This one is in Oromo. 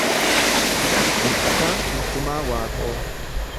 Mul’ataa Bultumaa Waaqoo